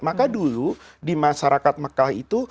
maka dulu di masyarakat mekah itu